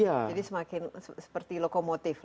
jadi semakin seperti lokomotif